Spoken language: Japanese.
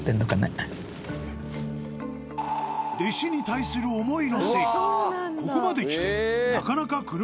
弟子に対する思いのせいか